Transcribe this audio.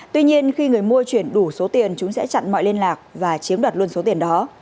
tuy nhiên khi người mua chuyển đủ số tiền chúng sẽ chặn mọi liên lạc và chiếm đoạt luôn số tiền đó